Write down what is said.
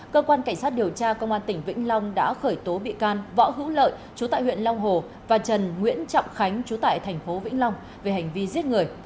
cơ quan cảnh sát điều tra công an tỉnh vĩnh long đã khởi tố bị can võ hữu lợi chú tại huyện long hồ và trần nguyễn trọng khánh chú tại thành phố vĩnh long về hành vi giết người